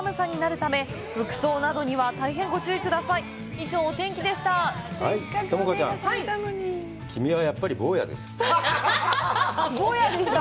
以上、お天気でした。